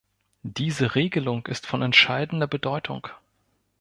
Diese Regelung ist von entscheidender Bedeutung.